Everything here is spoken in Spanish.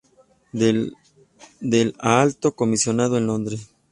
Del a Alto Comisionado en Londres.